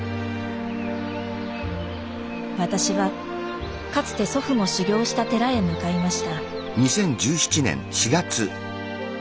私はかつて祖父も修行した寺へ向かいました。